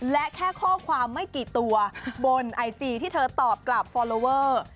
และแค่ข้อความไม่กี่ตัวบนไอจีที่เธอตอบกลับฟอลลอเวอร์